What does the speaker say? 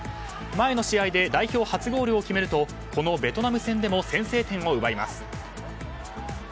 前の試合で代表初ゴールを決めるとこのベトナム戦でも先制点を奪います。